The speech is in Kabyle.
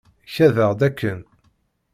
Kadeɣ-d akken.